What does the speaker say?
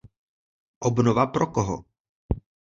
Obnova pro koho?